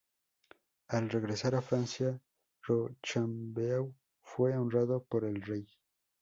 Al regresar a Francia, Rochambeau fue honrado por el rey.